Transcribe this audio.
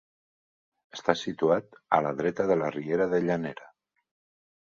Està situat a la dreta de la riera de Llanera.